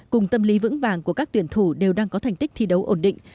cùng tâm lý vững vàng của các tuyển thủ đều đang có thành tích thi đấu ổn định